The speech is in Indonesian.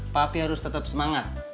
papi harus tetep semangat